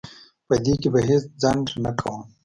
په دې کې به هیڅ ځنډ نه کوم.